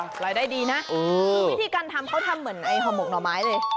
รายได้ดีนะคือวิธีการทำเขาทำเหมือนไอ้ห่อหมกหน่อไม้เลย